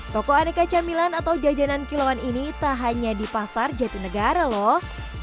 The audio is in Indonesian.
toko aneka camilan atau jajanan kilauan ini tak hanya di pasar jatinegara loh